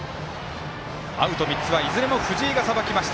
アウト３つはいずれも藤井がさばきました。